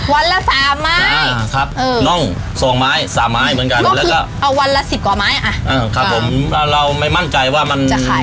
ครับผมเราไม่มั่งใจว่ามัน